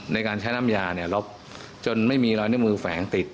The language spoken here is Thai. ในการใช้น้ำยาเนี่ยลบจนไม่มีรอยนิ้วมือแฝงติด